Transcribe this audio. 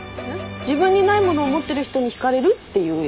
自分にないものを持ってる人に引かれるっていうよね。